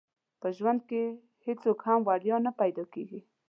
په ژوند کې هيڅ هم وړيا نه پيدا کيږي.